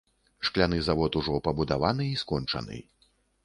Шкляны завод ужо пабудаваны і скончаны.